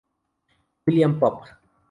William Popp